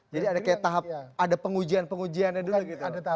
jadi ada pengujian pengujiannya dulu gitu